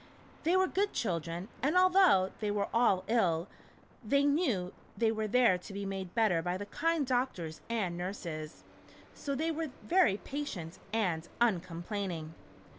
They were good children, and although they were all ill, they knew they were there to be made better by the kind doctors and nurses, so they were very patient and uncomplaining.